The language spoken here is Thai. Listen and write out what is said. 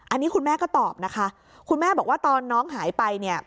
อันนี้คุณแม่ก็ตอบนะคะคุณแม่บอกว่าตอนน้องหายไปเนี่ย